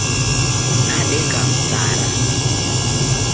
Nadeka Msara.